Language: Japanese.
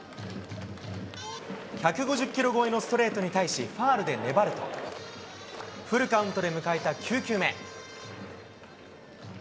１５０キロ超えのストレートに対し、ファウルで粘ると、フルカウントで迎えた９球目。